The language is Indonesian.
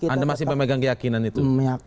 anda masih memegang keyakinan itu